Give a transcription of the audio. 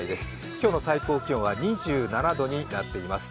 今日の最高気温は２７度になっています。